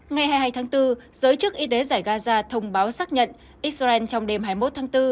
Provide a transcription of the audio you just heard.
ngày hai mươi hai tháng bốn giới chức y tế giải gaza thông báo xác nhận israel trong đêm hai mươi một tháng bốn